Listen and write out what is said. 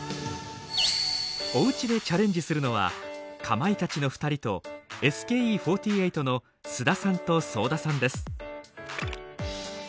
お家でチャレンジするのはかまいたちの２人とＳＫＥ４８の須田さんと惣田さんです。